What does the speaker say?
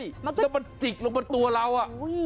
ใช่แล้วมันจิกลงกับตัวเราอะ